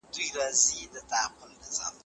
که سپوږمۍ وي نو جذر او مد نه ورکېږي.